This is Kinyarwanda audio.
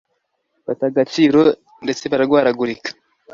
bata agaciro ndetse bararwaragurika,